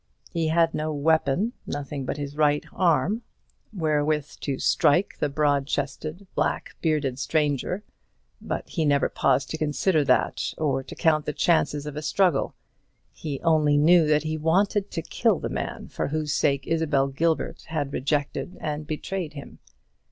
He had no weapon, nothing but his right arm, wherewith to strike the broad chested black bearded stranger. But he never paused to consider that, or to count the chances of a struggle. He only knew that he wanted to kill the man for whose sake Isabel Gilbert had rejected and betrayed him.